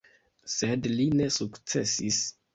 Sed li ne sukcesis.